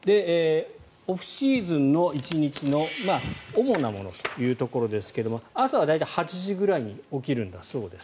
オフシーズンの１日の主なものというところですが朝は大体８時ぐらいに起きるんだそうです。